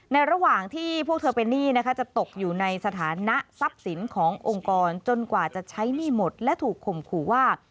ระหว่างที่พวกเธอเป็นหนี้นะคะจะตกอยู่ในสถานะทรัพย์สินขององค์กรจนกว่าจะใช้หนี้หมดและถูกข่มขู่ว่า